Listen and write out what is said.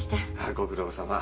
ご苦労さま。